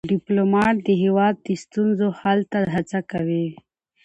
ډيپلومات د هیواد د ستونزو حل ته هڅه کوي.